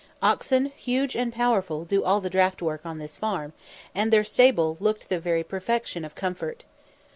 Oxen, huge and powerful, do all the draught work on this farm, and their stable looked the very perfection of comfort.